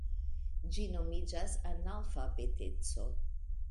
Ĝi nomiĝas analfabeteco.